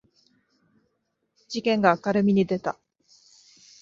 事件が明るみに出た